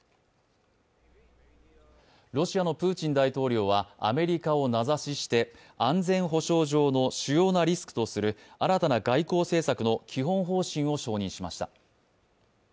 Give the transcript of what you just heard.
ロシアのプーチン大統領はアメリカを名指しして安全保障上の主要なリスクとする新たな外交政策の基本方針を承認しました。